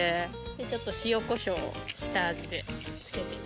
ちょっと塩コショウを下味で付けていきます。